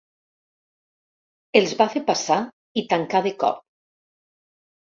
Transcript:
Els va fer passar i tancà de cop.